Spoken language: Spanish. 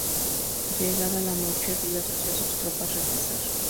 Llegada la noche Ribas hace a sus tropas regresar.